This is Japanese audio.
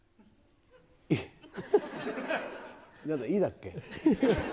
いだっけ？